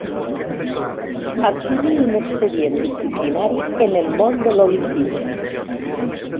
Activi un expedient disciplinari en el món de l'olimpisme.